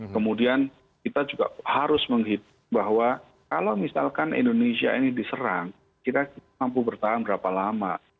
kemudian kita juga harus menghitung bahwa kalau misalkan indonesia ini diserang kita mampu bertahan berapa lama